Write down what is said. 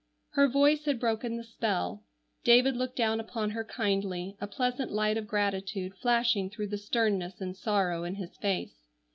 Her voice had broken the spell. David looked down upon her kindly, a pleasant light of gratitude flashing through the sternness and sorrow in his face.